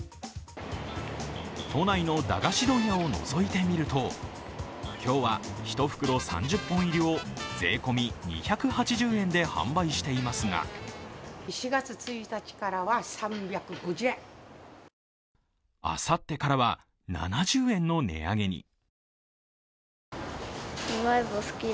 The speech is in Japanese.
都内の駄菓子問屋をのぞいてみると今日は１袋３０本入りを税込み２８０円で販売していますが店手あさってからは７０円の値上げに。